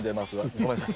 ごめんなさい。